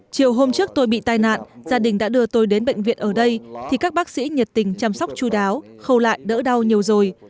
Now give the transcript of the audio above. chiều hôm trước tôi bị tai nạn gia đình đã đưa tôi đến bệnh viện ở đây thì các bác sĩ nhiệt tình chăm sóc chú đáo khâu lại đỡ đau nhiều rồi